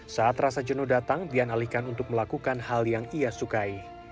saat rasa jenuh datang dian alihkan untuk melakukan hal yang ia sukai